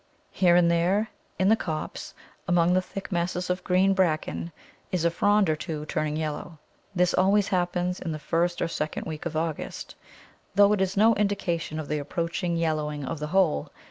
Here and there in the copse, among the thick masses of green Bracken, is a frond or two turning yellow. This always happens in the first or second week of August, though it is no indication of the approaching yellowing of the whole.